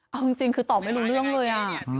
เอาจริงคือตอบไม่รู้เรื่องเลย